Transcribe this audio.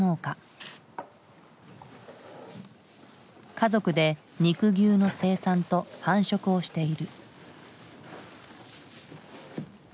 家族で肉牛の生産と繁殖をしている。